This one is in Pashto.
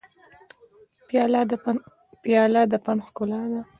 پیاله د فن ښکلا ده.